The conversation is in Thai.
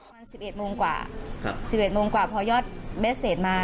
มันสิบเอ็ดโมงกว่าครับสิบเอ็ดโมงกว่าพอยอดเบสเศษมา